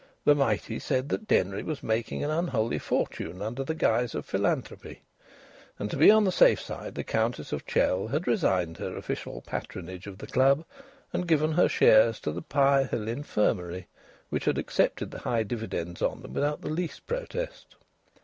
The mighty said that Denry was making an unholy fortune under the guise of philanthropy. And to be on the safe side the Countess of Chell had resigned her official patronage of the club and given her shares to the Pirehill Infirmary, which had accepted the high dividends on them without the least protest.